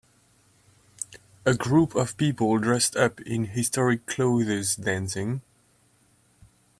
A group of people dressed up in historic clothes dancing